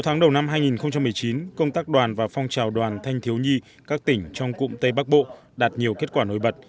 sáu tháng đầu năm hai nghìn một mươi chín công tác đoàn và phong trào đoàn thanh thiếu nhi các tỉnh trong cụm tây bắc bộ đạt nhiều kết quả nổi bật